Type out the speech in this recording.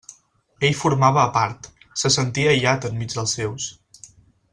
Ell formava a part, se sentia aïllat enmig dels seus.